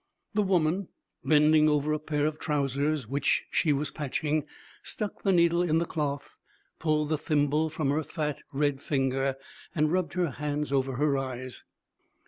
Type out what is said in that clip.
The woman, bending over a pair of trousers which she was patching, stuck the needle in the cloth, pulled the thimble from her fat, red finger, and rubbed her hands over her eyes.